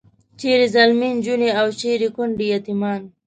چیرې ځلمي نجونې او چیرې کونډې یتیمان.